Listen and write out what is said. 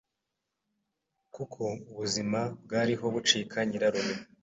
kuko ubuzima bwariho bucika nyirarume.